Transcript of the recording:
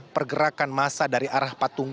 pergerakan masa dari arah patung